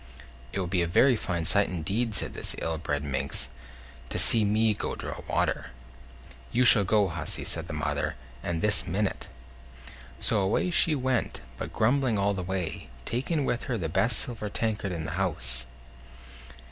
"It would be a very fine sight indeed," said this ill bred minx, "to see me go draw water." "You shall go, hussy!" said the mother; "and this minute." So away she went, but grumbling all the way, taking with her the best silver tankard in the house.